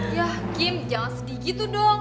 ya kim jangan sedih gitu dong